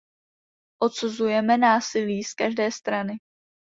Odsuzujeme násilí z každé strany.